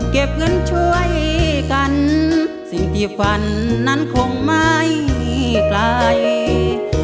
เก็บเงินช่วยกันสิ่งที่ฝันนั้นคงไม่ไกล